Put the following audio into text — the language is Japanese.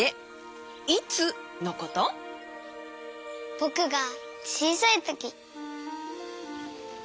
ぼくがちいさいとき。